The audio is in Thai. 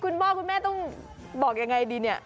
คุณพ่อคุณแม่ต้องบอกยังไงดีเนี่ย